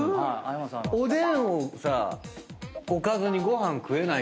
おでんをさおかずにご飯食えないじゃん。